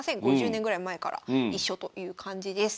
５０年ぐらい前から一緒という感じです。